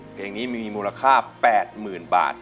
เพลงนี้มีมูลค่า๘๐๐๐บาท